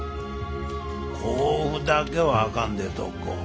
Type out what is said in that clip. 甲府だけはあかんで徳子！